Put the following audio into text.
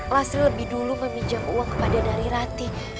nasri lebih dulu meminjam uang kepada nari rati